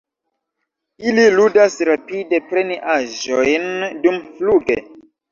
Ili ludas rapide preni aĵojn dumfluge.